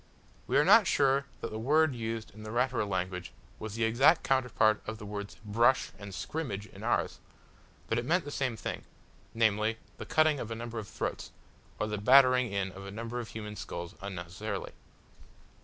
We are not sure that the word used in the Ratura language was the exact counterpart of the words "brush" and "scrimmage" in ours, but it meant the same thing, namely, the cutting of a number of throats, or the battering in of a number of human skulls unnecessarily.